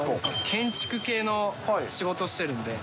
建築系の仕事してるんで。